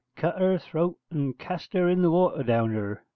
Cut her throat and cast her in the water down yurr.'